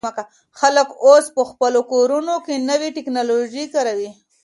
خلک اوس په خپلو کورونو کې نوې ټیکنالوژي کاروي.